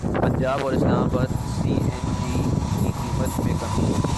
پنجاب اور اسلام اباد میں C N G کی قیمت میں کمی